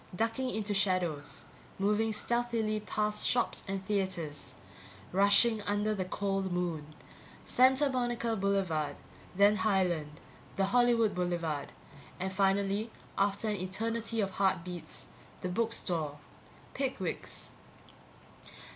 Ducking into shadows, moving stealthily past shops and theatres, rushing under the cold moon. Santa Monica Boulevard, then Highland, the Hollywood Boulevard, and finally after an eternity of heartbeats the book store. Pickwick's.